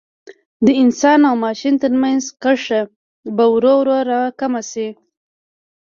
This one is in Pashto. د انسان او ماشین ترمنځ کرښه به ورو ورو را کمه شي.